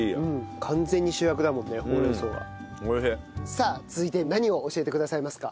さあ続いて何を教えてくださいますか？